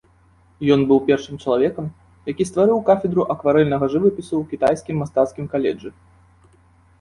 Ён быў першым чалавекам, які стварыў кафедру акварэльнага жывапісу ў кітайскім мастацкім каледжы.